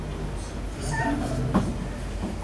Kıskanmadım.